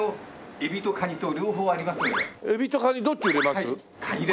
エビとカニどっち売れます？